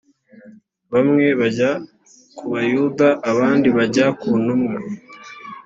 bamwe bajya ku bayuda abandi bajya ku ntumwa .